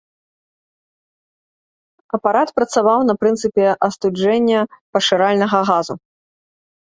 Апарат працаваў на прынцыпе астуджэння пашыральнага газу.